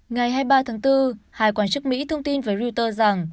ngày hai mươi ba tháng bốn hai quan chức mỹ thông tin với reuters rằng